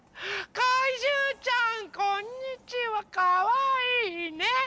かいじゅうちゃんこんにちはかわいい。ね？